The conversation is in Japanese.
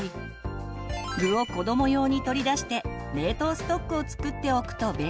具を子ども用に取り出して冷凍ストックを作っておくと便利です。